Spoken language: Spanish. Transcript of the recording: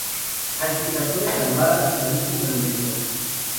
Al que trató de salvar hasta último momento.